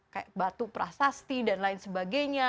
kayak batu prasasti dan lain sebagainya